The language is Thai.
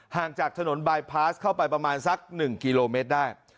ห่างจากถนนบายพาสเข้าไปประมาณสัก๑กิโลเมตรได้